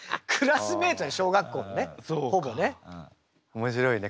面白いね。